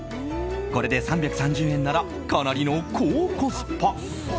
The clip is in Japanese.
これで３３０円ならかなりの高コスパ。